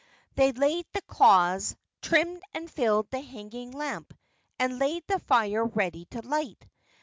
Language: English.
They laid the cloths, trimmed and filled the hanging lamp, and laid the fire ready to light.